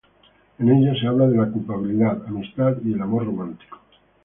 En ella se habla de la culpabilidad, amistad y el amor romántico.